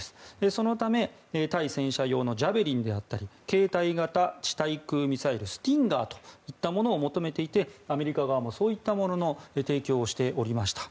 そのため、対戦車用のジャベリンであったり携帯型地対空ミサイルスティンガーといったものを求めていてアメリカ側もそうしたものの提供をしておりました。